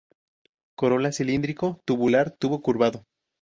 Corola cilíndrico-tubular, tubo curvado.